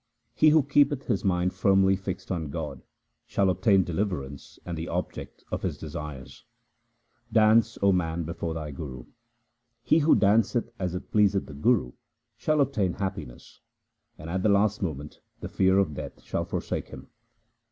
He who keepeth his mind firmly fixed on God, shall obtain deliverance and the object of his desires. Dance, O man, before thy Guru ; He who danceth as it pleaseth the Guru shall obtain happiness, and at the last moment the fear of Death shall forsake him.